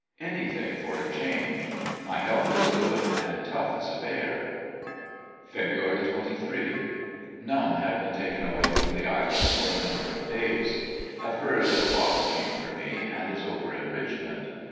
Anything for a change. My health is good, and tough as a bear. Feb. 23. — None have been taken away from the island for a number of days. Have heard that a box came for me, and is over in Richmond.